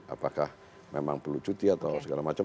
apakah memang perlu cuti atau segala macam